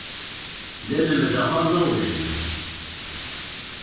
La lemmdeɣ aẓawan.